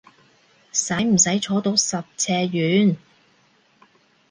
使唔使坐到十尺遠？